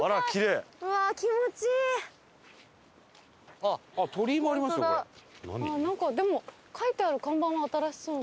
あっなんかでも書いてある看板は新しそうな。